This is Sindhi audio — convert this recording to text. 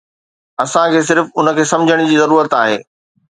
اسان کي صرف ان کي سمجهڻ جي ضرورت آهي